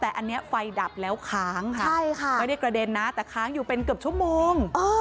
แต่อันนี้ไฟดับแล้วค้างค่ะไม่ได้กระเด็นนะแต่ค้างอยู่เป็นเกือบชั่วโมง